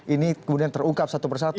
ini kemudian terungkap satu persatu